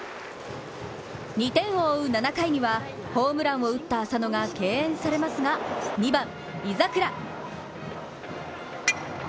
２点を追う７回には、ホームランを打った浅野が敬遠されますが、２番・井櫻！